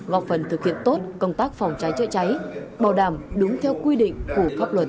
góp phần thực hiện tốt công tác phòng cháy chữa cháy bảo đảm đúng theo quy định của pháp luật